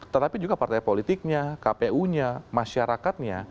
tetapi juga partai politiknya kpu nya masyarakatnya